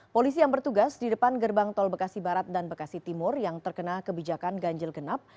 polisi yang bertugas di depan gerbang tol bekasi barat dan bekasi timur yang terkena kebijakan ganjil genap